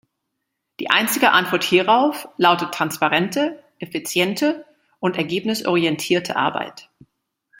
Die einzige Antwort hierauf lautet transparente, effiziente und ergebnisorientierte Arbeit.